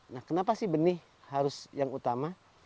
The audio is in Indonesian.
nah kenapa sih benih harus yang utama